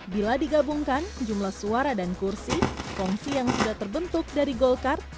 bila digabungkan jumlah suara dan kursi kongsi yang sudah terbentuk dari golkar